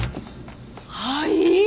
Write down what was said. はい！？